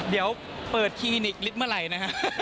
เดี๋ยวเปิดคลินิกฤทธิ์เมื่อไหร่นะฮะ